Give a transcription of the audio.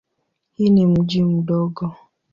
Hii ni mji mdogo.